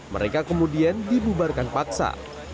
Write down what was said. mereka kemudian dibubarkan paksa